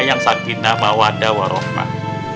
yang sakinah mawada warohmat